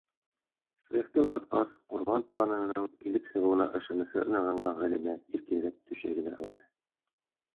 Саяфты оҙатҡас, ҡорған планының килеп сығыуына ышанысы нығынған Ғәлимә иркенләп түшәгенә ауҙы.